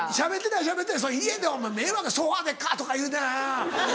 しゃべってない家でお前迷惑「ソファでっか」とか言うてやな。